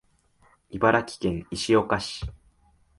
茨城県石岡市